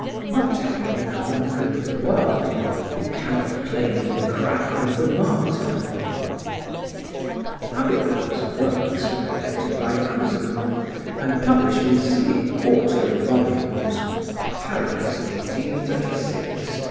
Not having conquered the world, he cannot claim the crown of the martyr. Abélard's works were collected by Cousin, and published in three 4to volumes (Paris, 1836, 1849, 1859).